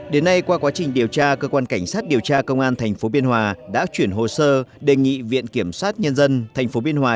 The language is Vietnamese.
đến nay qua quá trình điều tra cơ quan cảnh sát điều tra công an thành phố biên hòa đã chuyển hồ sơ đề nghị viện kiểm soát nhân dân thành phố biên hòa